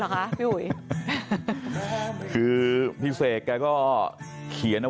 ถ้าเจ็บจีนตายจะอยากเข้าไป